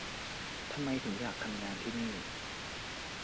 ทำไมถึงอยากทำงานที่นี่